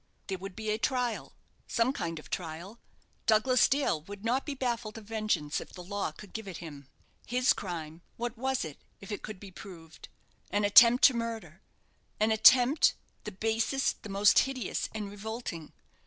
There would be a trial some kind of trial! Douglas Dale would not be baffled of vengeance if the law could give it him. His crime what was it, if it could be proved? An attempt to murder an attempt the basest, the most hideous, and revolting.